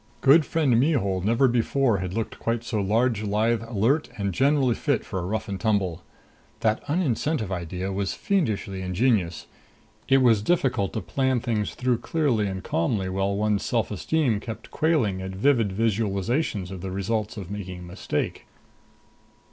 Good friend Mihul never before had looked quite so large, lithe, alert and generally fit for a rough and tumble. That un incentive idea was fiendishly ingenious! It was difficult to plan things through clearly and calmly while one's self esteem kept quailing at vivid visualizations of the results of making a mistake.